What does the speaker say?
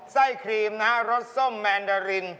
ไส้ครีมนะรสส้มแมนดาลิน